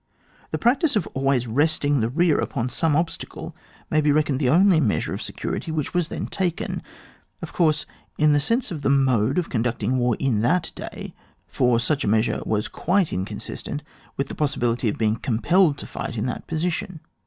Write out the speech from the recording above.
The practice of always resting the rear upon some obstacle may be reckoned the only measure of security which was then taken, of course, in the sense of the mode of conducting war in that day, for such a measure was quite inconsistent with the possibility of being compelled to fight in that position.